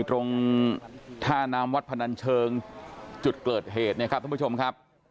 ตรงถ้านามวัดพะนันเชิงจุดเกิดเหตุครับท่านผู้ชมครับ